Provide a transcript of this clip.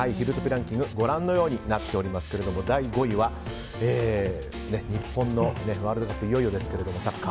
ランキングはご覧のようになっていますが第５位はサッカーワールドカップいよいよですが。